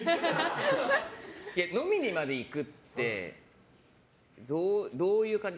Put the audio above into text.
いや、飲みにまで行くってどういう感じ。